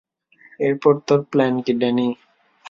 এরপর তোর প্ল্যান কী, ড্যানি?